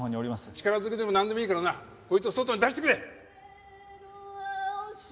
力ずくでもなんでもいいからなこいつを外に出してくれ！